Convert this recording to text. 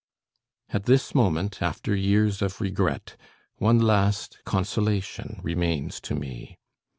At this moment, after years of regret, one last consolation remains to me.